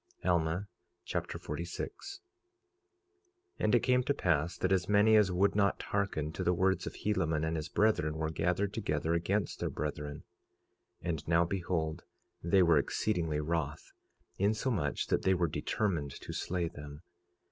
Alma Chapter 46 46:1 And it came to pass that as many as would not hearken to the words of Helaman and his brethren were gathered together against their brethren. 46:2 And now behold, they were exceedingly wroth, insomuch that they were determined to slay them.